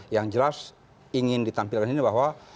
yang jelas ingin ditampilkan ini bahwa